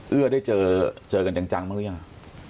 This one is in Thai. เอื้อได้เจอกันจังมากหรือยัง